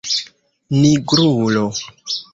nigrulo